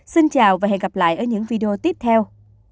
xin chào và hẹn gặp lại ở những video tiếp theo